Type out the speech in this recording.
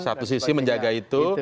satu sisi menjaga itu